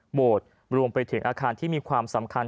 โบสถ์รวมไปถึงอาคารที่มีความสำคัญ